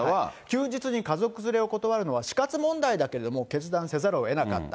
休日に家族連れを断るのは死活問題だけれども、決断せざるをえなかった。